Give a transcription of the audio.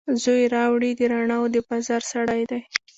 زوی یې راوړي، د رڼاوو دبازار سړی دی